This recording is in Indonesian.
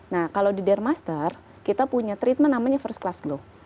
nah kalau di dermaster kita punya treatment namanya first class glow